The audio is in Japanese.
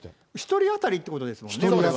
１人当たりっていうことですもんね。